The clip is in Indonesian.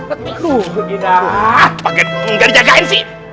ah pake gak dijagain sih